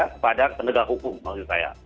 kepada penegak hukum maksud saya